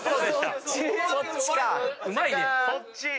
そっちか。